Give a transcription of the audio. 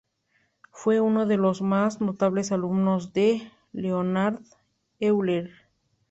Fue uno de los más notables alumnos de Leonhard Euler.